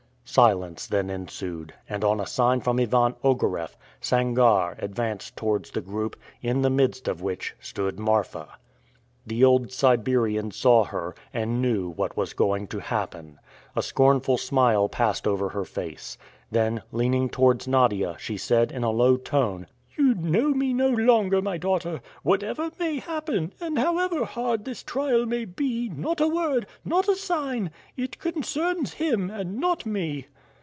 Silence then ensued, and, on a sign from Ivan Ogareff, Sangarre advanced towards the group, in the midst of which stood Marfa. The old Siberian saw her, and knew what was going to happen. A scornful smile passed over her face. Then leaning towards Nadia, she said in a low tone, "You know me no longer, my daughter. Whatever may happen, and however hard this trial may be, not a word, not a sign. It concerns him, and not me."